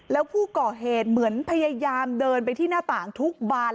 แล้วผู้ก่อเหตุเหมือนพยายามเดินไปที่หน้าต่างทุกบาน